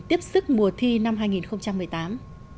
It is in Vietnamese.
tiếp sức mùa thi năm hai nghìn một mươi tám